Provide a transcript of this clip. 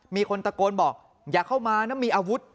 มีคนตะโกนบอกอย่าเข้ามานะมีอาวุธ